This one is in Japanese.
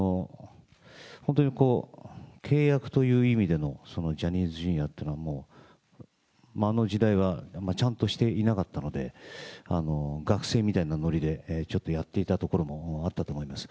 本当に契約という意味でのジャニーズＪｒ．というのは、あの時代はちゃんとしていなかったので、学生みたいな乗りでちょっとやっていたところもあったと思います。